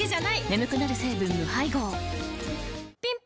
眠くなる成分無配合ぴん